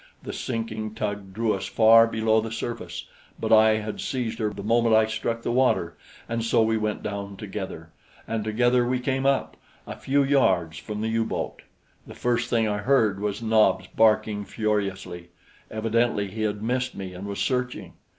The sinking tug drew us far below the surface; but I had seized her the moment I struck the water, and so we went down together, and together we came up a few yards from the U boat. The first thing I heard was Nobs barking furiously; evidently he had missed me and was searching.